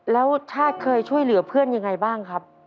แล้วชาติเคยช่วยเหลือเพื่อนยังไงบ้างครับ